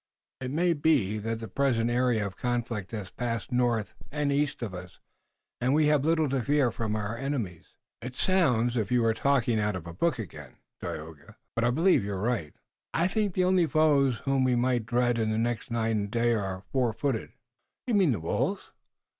It may be that the present area of conflict has passed north and east of us and we have little to fear from our enemies." "It sounds as if you were talking out of a book again, Tayoga, but I believe you're right." "I think the only foes whom we may dread in the next night and day are four footed." "You mean the wolves?"